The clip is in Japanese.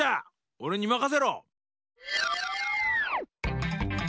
おれにまかせろ！